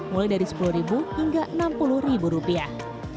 mulai dari sepuluh hingga enam puluh rupiah